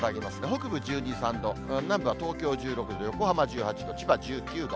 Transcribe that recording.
北部１２、３度、南部は東京１６度、横浜１８度、千葉１９度。